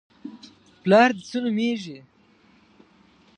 _پلار دې څه نومېږي؟